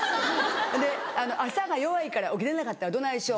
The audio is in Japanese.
ほんで朝が弱いから起きれなかったらどないしよう。